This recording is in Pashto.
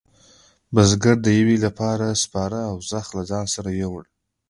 بزگر د یویې لپاره سپاره او زخ له ځانه سره وېوړل.